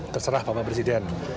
terserah bapak presiden